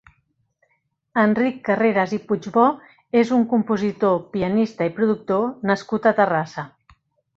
Enric Carreras i Puigbò és un compositor, pianista i productor nascut a Terrassa.